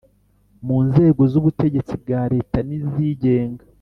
mu nzego z’ubutegetsi bwa leta n’izigenga;